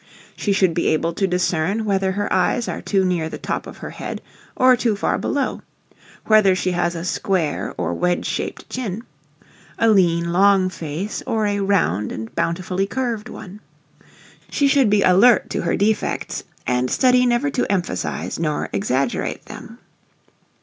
She should be able to discern whether her eyes are too near the top of her head or, too far below; whether she has a square or wedge shaped chin; a lean, long face, or a round and bountifully curved one. She should be alert to her defects and study never to emphasize nor exaggerate them.